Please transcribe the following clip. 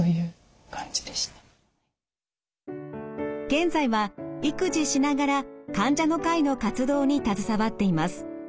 現在は育児しながら患者の会の活動に携わっています。